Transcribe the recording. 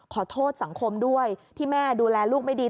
ขอโทษสังคมด้วยที่แม่ดูแลลูกไม่ดี